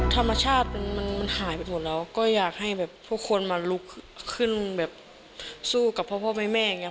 ธรรมชาติมันมันหายไปหมดแล้วก็อยากให้แบบทุกคนมาลุกขึ้นแบบสู้กับพ่อแม่อย่างเง